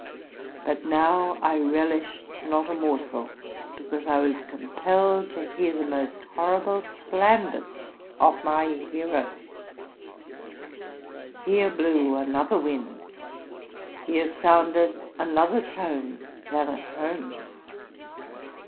But now I relished not a morsel, because I was compelled to hear the most horrible slanders of my hero. Here blew another wind, here sounded another tone, than at home.